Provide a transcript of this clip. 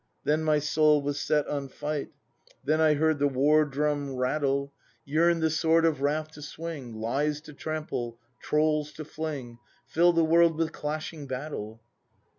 Then my soul was set on fight, Then I heard the war drum rattle, 96 BRAND [ACT II Yearn'd the sword of Wrath to swing, Lies to trample, Trolls to fling, Fill the world with clashing battle.